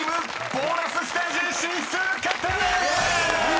ボーナスステージ進出決定でーす！］